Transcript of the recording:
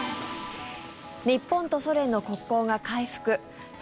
日本とソ連の国交が回復。